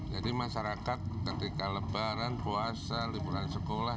jadi masyarakat ketika lebaran puasa libur sekolah